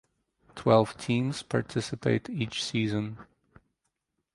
Twelve teams participate each season.